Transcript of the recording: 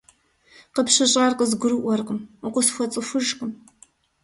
КъыпщыщӀар къызгурыӀуэркъым, укъысхуэцӀыхужкъым.